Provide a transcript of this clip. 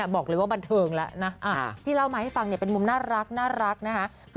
บอกเลยว่าบันเทิงแล้วนะที่เล่ามาให้ฟังเป็นมุมน่ารักนะคะ